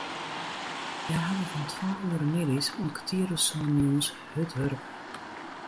Hja hawwe fan twa oere middeis oant kertier oer sânen jûns hurd wurke.